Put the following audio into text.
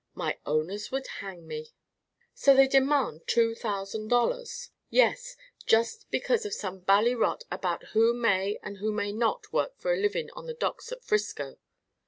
My owners would hang me." "So they demand two thousand dollars!" "Yes! Just because of some bally rot about who may and who may not work for a living on the docks at Frisco."